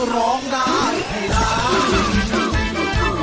ร้องได้ให้ร้าน